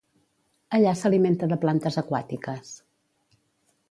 Allà s'alimenta de plantes aquàtiques.